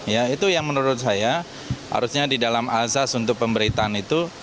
ya itu yang menurut saya harusnya di dalam azas untuk pemberitaan itu